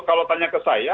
kalau tanya ke saya